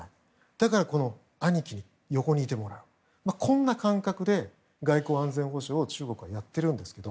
だから兄貴に横にいてもらうこんな感覚で外交安全保障を中国は、やっているんですけど。